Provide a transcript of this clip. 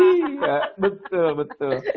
iya betul betul